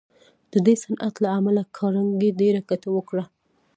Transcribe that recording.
د دې صنعت له امله کارنګي ډېره ګټه وکړه